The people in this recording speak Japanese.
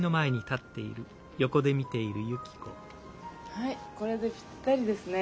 はいこれでぴったりですね。